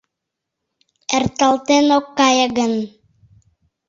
Эрталтен ок кае гын.